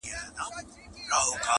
مرور سهار به خامخا ستنېږي،